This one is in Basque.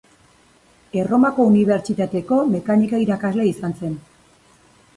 Erromako unibertsitateko mekanika irakaslea izan zen.